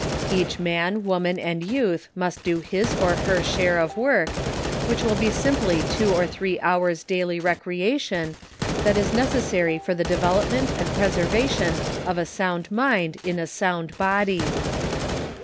Each man, woman and youth must do his or her share of work, which will be simply two or three hours' daily recre ation, that is necessary for the development and preserva tion of a sound mind in a sound body